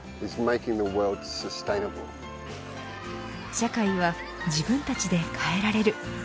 社会は自分たちで変えられる。